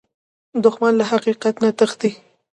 دښمن له حقیقت نه تښتي